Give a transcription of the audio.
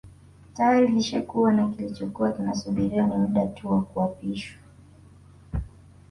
Tayari ilishakuwa na kilichokuwa kinasubiriwa ni muda tu wa kuapishwa